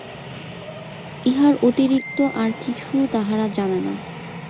ইহার অতিরিক্ত আর কিছু তাহারা জানে না।